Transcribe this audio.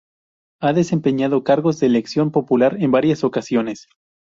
Ha desempeñado cargos de elección popular en varias ocasiones.